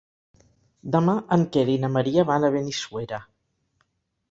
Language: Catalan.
Demà en Quer i na Maria van a Benissuera.